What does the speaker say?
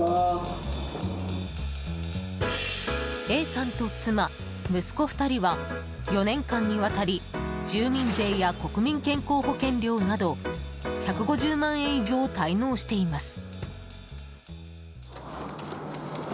Ａさんと妻、息子２人は４年間にわたり住民税や健康保険料など１５０万円以上滞納しています。